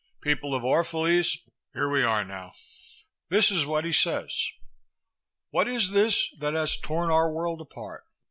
"People of Orphalese, here we are now. This's what he says. What is this that has torn our world apart?